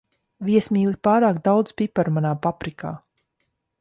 Viesmīli, pārāk daudz piparu manā paprikā.